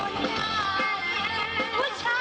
ก็คือเมื่อวานนี้เดินทางมาถึงคืนที่สองแล้วนะ